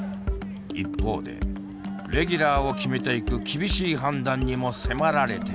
一方でレギュラーを決めていく厳しい判断にも迫られていた。